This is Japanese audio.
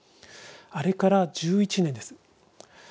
あれから１１年です。